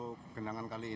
untuk genangan kali ini